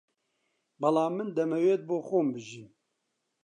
بەڵام من دەمەوێت بۆ خۆم بژیم